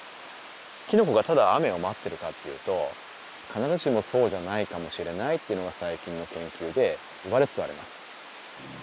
きのこがただ雨を待ってるかっていうと必ずしもそうじゃないかもしれないというのが最近の研究でいわれつつあります。